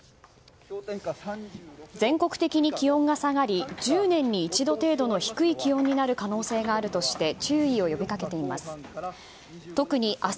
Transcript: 全国的に気温が下がり１０年に一度程度の低い気温になる可能性があるとして注意を呼び掛けています。